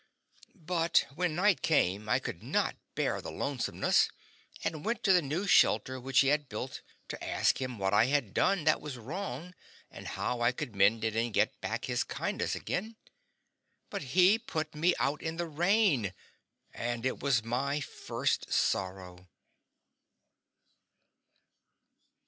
But when night came I could not bear the lonesomeness, and went to the new shelter which he has built, to ask him what I had done that was wrong and how I could mend it and get back his kindness again; but he put me out in the rain, and it was my first sorrow.